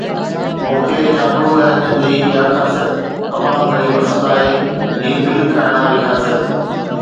مون کي جابلو علائقن جي اها خاصيت تمام گهڻي پسند آهي، هي بل کائڻ واري خاصيت